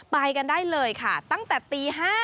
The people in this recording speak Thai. ไปกันได้เลยค่ะตั้งแต่ตี๕